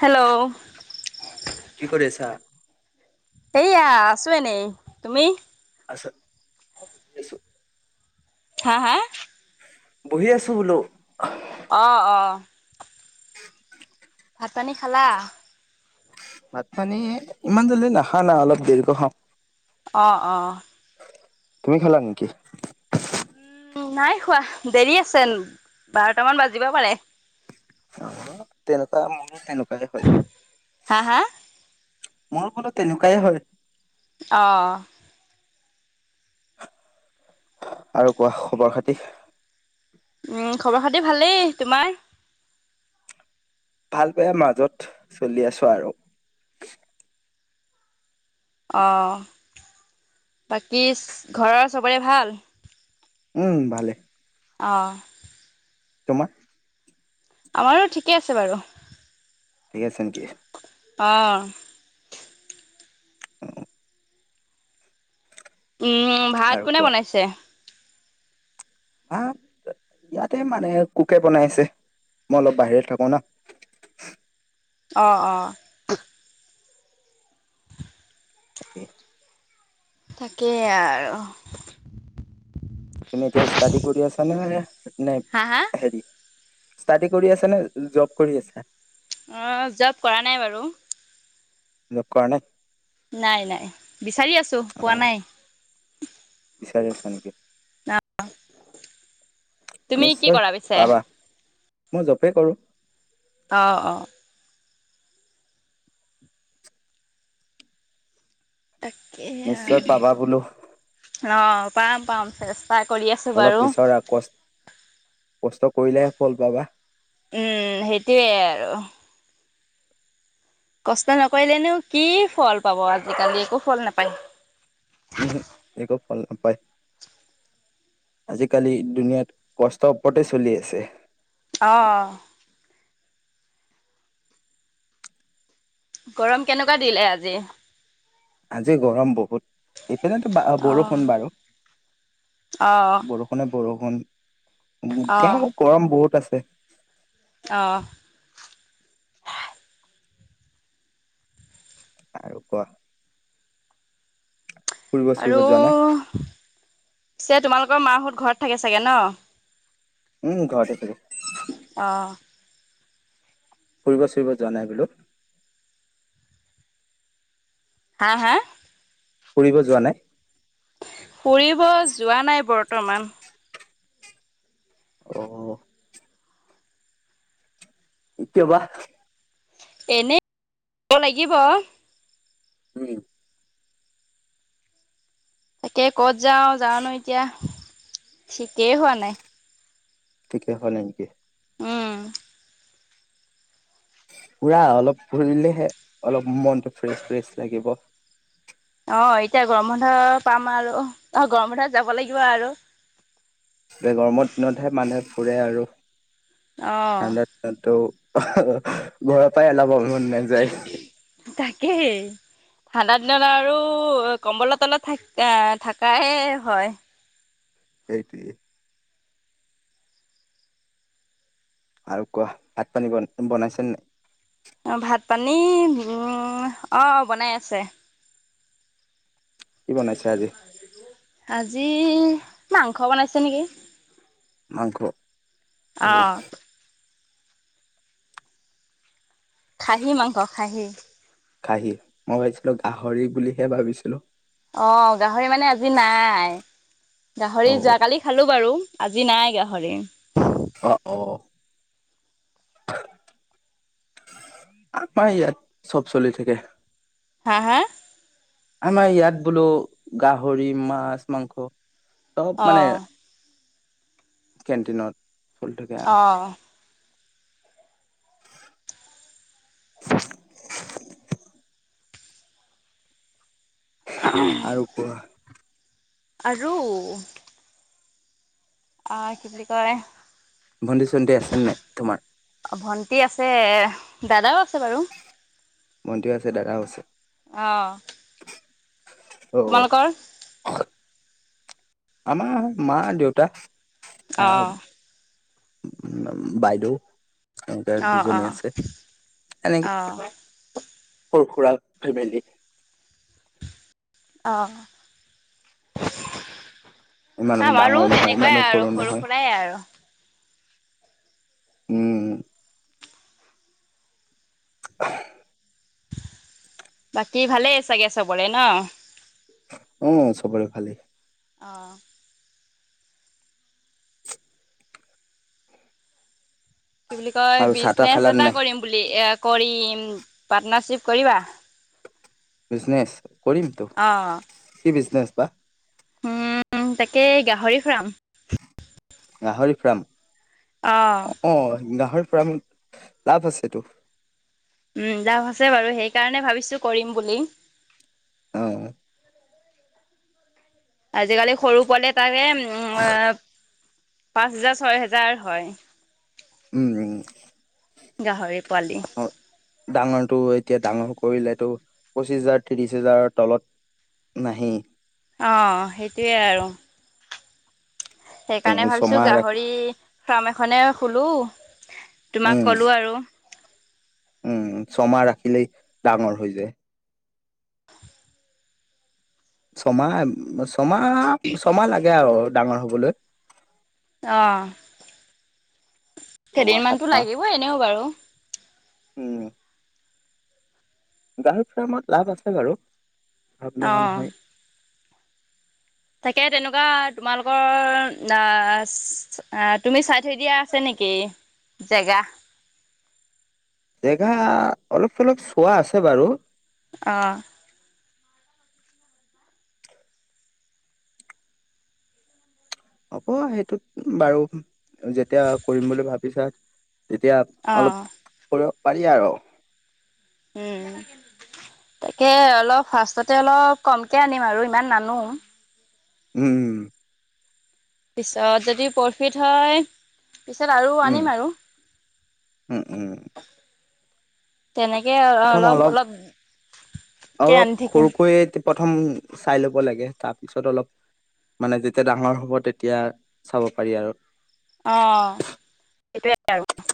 Hello কি কৰি আছা? এইয়া আছো এনেই। তুমি? [inaudible] হা হা? বহি আছো বোলো অ', অ'। ভাত পানী খালা? ভাত পানী ইমান জল্দি নাখানা অলপ দেৰিকে খাম। অ', অ'। তুমি খালা নেকি? উ নাই খোৱা দেৰি আছে বাৰটামান বাজিব পাৰে। অ', তেনেকুৱা [unintelligible] [unintelligible] হা হা মোৰো বলো তেনেকুৱাই হয়। অ',। আৰু কোৱা খবৰ খাতি। উম খবৰ খাতি ভালেই তোমাৰ? ভাল বেয়া মাজত চলি আছো আৰু। অ', বাকী ঘৰৰ চবৰে ভাল। উম ভালে। অ',। তোমাৰ আমাৰো ঠিকে আছে বাৰু। ঠিক আছে নেকি অ',। উম ভাত আৰু কোনে কোৱা। বনাইছে? [unintelligible] ইয়াতে মানে কোকে বনাইছে মই অলপ বাহিৰত থাকো না। [unintelligible] অ', অ'। অ'। তাকে আৰু তুমি এতিয়া ষ্টাডি কৰি আছানে ন নে হা হা হেৰি ষ্টাডি কৰি আছে নে জব কৰি আছে। অ', জব কৰা নাই বাৰু। দখণে [unintelligible] নাই নাই বিচাৰি আছো অ পোৱা নাই। বিচাৰি আছা নেকি। তুমি কি নিশ্চয় কৰা পিছে? পাবা। মই জপে কৰোঁ। অ', অ'। তাকে নিশ্চয় পাবা বোলো। অঁ পাম পাম চেষ্টা কৰি আছোঁ অলপ বাৰু। বিচৰা কষ্ট কষ্ট কৰিলেহে ফল পাবা উম। সেইটোৱে আৰু। কষ্ট নকৰিলেনো কি ফল পাব, আজিকালি একো ফল নাপায়। উম একো ফল নাপায়। আজিকালি দুনীয়াত কষ্টৰ ওপৰতে চলি আছে। আহ গৰম কেনেকুৱা দিলে আজি? আজি গৰম বহুত। এইপিনেতো অ', বৰষুণ বাৰু অ', বৰষুণে বৰষুণ উ অ'। এতিয়া গৰম বহুত আছে। অ',। আৰু কোৱা। ফুৰিব চুৰিব আৰু যোৱা নাই পিছে তোমালোকৰ মাহত ঘৰত থাকে চাগে ন। উম ঘৰ থাকে। অ'। ফুৰিব ফুৰিব যোৱা নাই বোলো। হা? হা? ফুৰিব যোৱা নাই? ফুৰিব যোৱা নাই বৰ্তমান। অ কিয়বা এনে কব লাগিব উম তাকে ক'ত যাওঁ, যাও ন এতিয়া ঠিকেই হোৱা নাই। কিক হয় নেকি [unintelligible] উম পুৰা অলপ ফুৰিলেহে অলপ মনতটো ফ্ৰেচ, ফ্ৰেছ লাগিব। অ এতিয়া গৰম বন্ধ পাম আৰু অ গৰম বন্ধ যাব লাগিব আৰু। গৰমৰ দিনতহে মানুহে ফুৰে আৰু অ ঠাণ্ডা দিনতো ঘৰৰ পৰাই অলাব মন নাযায়। তাকেই ঠাণ্ডা দিনত আৰু কম্বল তলত থ আহ থাকাহে হয়। সেইটোৱেই। আৰু কোৱা ভাত পানী বনাইছে নাই? অ' ভাত পানী উম অ বনাই আছে। কি বনাইছে আজি? আজি মাংস বনাইছে নেকি। মাংস অ আহ খাহী মাংস খাহী। খাহী, মই ভাবিছিলো গাহৰি বুলিহে ভাবিছিলো। অ গাহৰি মানে আজি নাই। অ গাহৰি যোৱাকালি খালো বাৰু। আজি নাই গাহৰি। অ অ আমাৰ ইয়াত চব চলি থাকে। হা? হা? আমাৰ ইয়াত বলো গাহৰি, মাছ, মাংস চব অ মানে কেণ্টিনত চলি থাকে অ আৰু। আৰু কোৱা? আৰু অ কিব বুলি কয় ভণ্টি-চণ্টি আছে নাই তোমাৰ? অ ভণ্টি আছে। দাদাও আছে। বাৰু ভণ্টিও আছে দাদাও আছে অ অ তোমালোকৰ আমাৰ মা, দেউতা অ আহ উ বাইদেউ। এনেকে অ অ দুজনী আছে। এনেকে অ সৰু সুৰা ফেমিলি অঁ ইমানো আমাৰো ডাঙৰ নহয় তেনেকুৱাই ইমানো আৰু, সৰু নহয় সুৰাই আৰু। উম। [unintelligible] বাকী ভালেই চাগে চবৰে ন? অ চবৰে ভালেই। অ কি বুলি কয়, আৰু চাহ তাহ বিজনেচ খালা এটা নাই কৰিম বুলি এ কৰিম, পাৰ্টনাৰশিপ কৰিবা? বিজনেচ, কৰিম তো, অ কি বিজনেচ বা? উ তাকে গাহৰি ফুৰাম। গাহৰি ফ্ৰাম। অ অ গাহৰি ফ্ৰাম লাভ আছেটো। উম লাভ আছে বাৰু, সেইকাৰণে ভাবিছো কৰিম বুলি। আহ আজিকালি সৰু পোৱালে তাকে উম পাঁচ হোজাৰ, ছয় হোজাৰ হয়। উম গাহৰি পোৱালি ডাঙৰটো এতিয়া ডাঙৰ কৰিলেটো পঁচিশ হাজাৰ ত্ৰিশ হাজাৰৰ তলত নাহেই। অ সেইটয়ে আৰু সেইকাৰণে তুমি ভাবিছো ছমাহ ৰাখি গাহৰি ফাৰ্ম এখনে খুলো তোমাক উম কলো আৰু। উম। ছমাহ ৰাখিলেই ডাঙৰ হৈ যায়। ছমাহ, ছমাহ, ছমাহ লাগে আৰু ডাঙৰ হবলৈ। আহ ছমাহ সাত কেইদিনমানতো মাহ লাগিবই এনেও বাৰু। উম গাহৰি ফাৰ্মত লাভ আছে বাৰু, ভাৱ নোহোৱা অ'। নহয়। তাকে তেনেকুৱা তোমালোকৰ অ তুমি চাই থৈ দিয়া আছে নেকি? কি জেগা। [unintelligible] জেগা অলপ চলপ চোৱা আছে বাৰু অহ। হ'ব, সেইটোত বাৰু যেতিয়া কৰিম বুলি ভাবিছা তেতিয়া অ', অলপ কৰিব পাৰি আৰু। উম। তাকে অলপ ফাৰ্ষ্টতে অলপ কমকে আনিম আৰু, ইমান নানো। উম। পিছত যদি প্ৰফিট হয় পিছত আৰু উম আনিম আৰু। উম উম তেনেকে প্ৰথম অলপ, অলপকে অলপ আনি থাকিম সৰুকৈ প্ৰথম চাই ল'ব লাগে, তাৰপিছত অলপ মানে যেতিয়া ডাঙৰ হ'ব, তেতিয়া চাব পাৰি আৰু। অহ, সেইটোৱেই আৰু।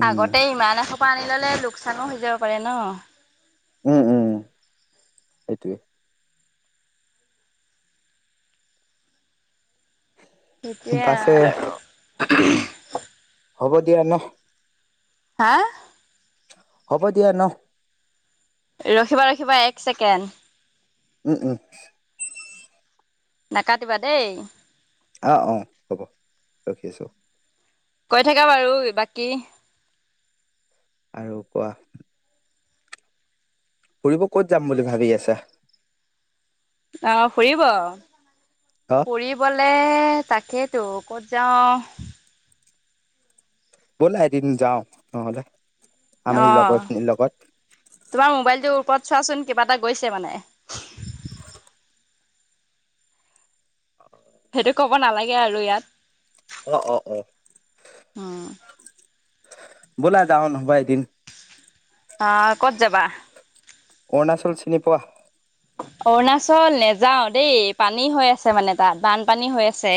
উম আগতে ইমান এসোপা আনি ল'লে, লোকচানো হৈ যাব পাৰে ন? উম উম, সেইটোৱেই। এতিয়া পাছে হ'ব দিয়া ন। হা? হ'ব দিয়া ন। ৰখিবা ৰখিবা এক ছেকেণ্ড। উম উম। নাকাটিবা দেই। অহ, অ হ'ব ৰখি আছোঁ। কৈ থাকা বাৰু বাকী। আৰু কোৱা? ফুৰিব ক'ত যাম বুলি ভাবি আছা? অ', ফুৰিব, অ ফুৰিবলে তাকে ত' ক'ত যাওঁ ব'লা এদিন যাও নহ'লে? আমি লগৰ খিনিৰ লগত অহ তোমাৰ মোবাইলটো গ্ৰুপত চোৱাচোন, কিবা এটা গৈছে মানে। সেটো ক'ব নালাগে আৰু ইয়াত। অ, অ, অ। উম ব'লা যাও নহবা এদিন। অ, ক'ত যাবা? অৰুণাচল চিনি পোৱা? অৰুণাচল নেযাওঁ দেই, পানী হৈ আছে মানে তাত বানপানী হৈ আছে।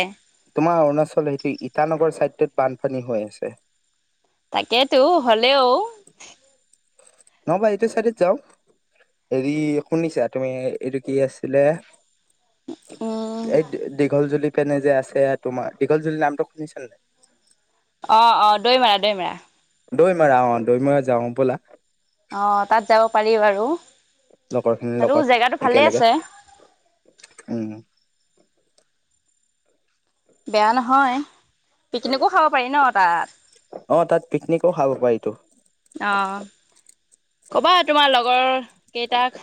তোমাৰ অৰুণাচল সেইটো ইটানগৰ ছাইডটোত বানপানী হৈ আছে। তাকেতো হ'লেও নহবা এইটো চাইডত যাও। হেৰি শুনিছা? তুমি এইটো কি আছিলে উম এই দীঘল যদি পেনে যে আছে তোমাৰ দীঘল চুলি নামটো শুনিচান নাই? অ, অ, দৈমাৰা দৈমাৰা। দৈমাৰা অ দৈমাৰা যাওঁ ব'লা। অ, তাত যাব পাৰি বাৰু। লগৰ খিনিৰ সেটো লগত জেগাটো ভালেই একেলগে আছে। উম বেয়া নহয়, পিকনিকো খাব পাৰি ন তাত। অ, তাত পিকনিকো খাব পাৰি টো। অ, ক'বা তোমাৰ লগৰ কেইটাক।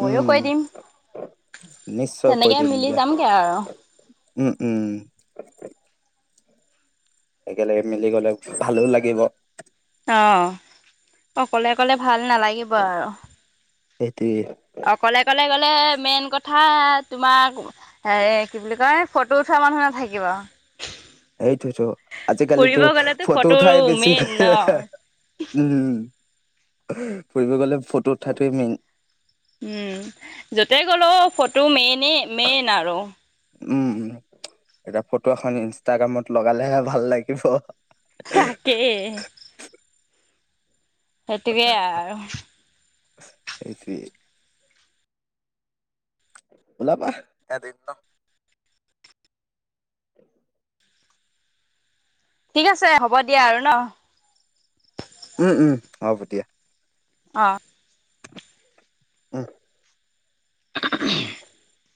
মইয়ো উম কৈ দিম। নিশ্চয় কৈ তেনেকে দিম মিলি দিয়া, যামগে আৰু উম উম। একেলগে মিলি গ'লে ভালো লাগিব। অ, অ অকলে গ'লে ভাল নালাগিব আৰু। সেইটোৱে অকলে অকলে গ'লে মেইন কথা তোমাক এ কি বুলি কয় ফটো উঠোৱা মানুহ নাথাকিব। সেইটোৱেটো আজিকালিতো ফুৰিব গ'লেতো ফটো উঠাই বেছি মেইন ন উম ফুৰিব গলে ফটো উঠাটোৱে মেইন। উম যতে গ'লেও ফটো মেইনেই মেইন আৰু। উম এতিয়া ফটো এখন ইনষ্টাগ্ৰামত লগালেহে ভাল লাগিব। তাকে। সেইটোকে আৰু। সেইটোৱে। ওলাবা এদিন ন। [unintelligible] ঠিক আছে হ'ব দিয়া আৰু ন? উম উম হ'ব দিয়া। অঁ উ [unintelligible]